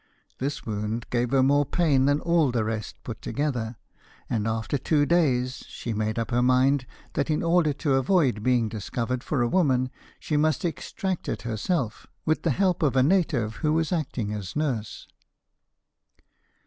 This wound gave her more pain than all the rest put together, and after two days she made up her mind that in order to avoid being discovered for a woman she must extract it herself, with the help of a native who was acting as nurse.